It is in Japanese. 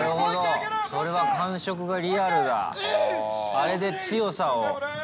あれで強さを。